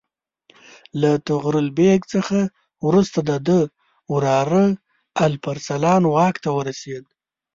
له طغرل بیګ څخه وروسته د ده وراره الپ ارسلان واک ته ورسېد.